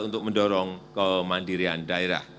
untuk mendorong kemandirian daerah